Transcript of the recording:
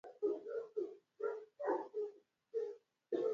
ka an achiel kuom jopuonjre maneoyier e puonjruok mar golo twak